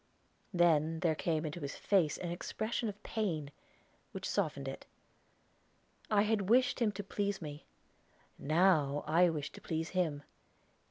Then there came into his face an expression of pain, which softened it. I had wished him to please me; now I wished to please him.